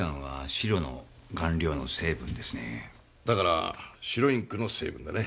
だから白インクの成分だね。